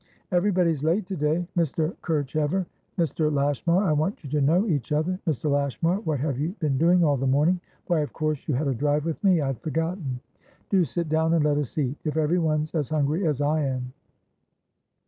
"Everybody's late to day. Mr. KercheverMr. Lashmar I want you to know each other. Mr. Lashmar, what have you been doing all the morning? Why, of course you had a drive with meI had forgotten! Do sit down and let us eat. If everyone's as hungry as I am!"